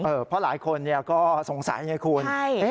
เพราะหลายคนก็สงสัยไงคุณ